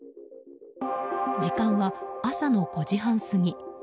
時間は朝の５時半過ぎ。